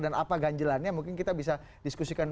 dan apa ganjelannya mungkin kita bisa diskusikan